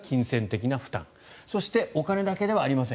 そしてお金だけではありません。